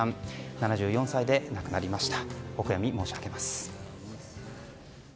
７４歳で亡くなりました。